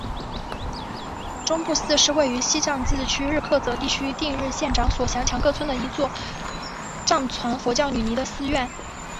宗布寺是位于西藏自治区日喀则地区定日县长所乡强噶村的一座藏传佛教女尼的寺院。